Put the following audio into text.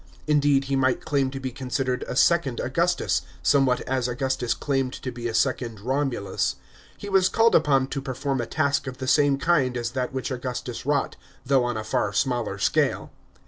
Indeed he might claim to be considered a second Augustus, some what as Augustus claimed to be a second Romulus. He WE* called upon to perform a task of the same kind as that which Augustus wrought, though on a far smaller scale.